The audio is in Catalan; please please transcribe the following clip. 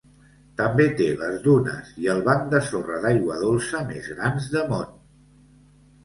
També té les dunes i el banc de sorra d'aigua dolça més grans de món.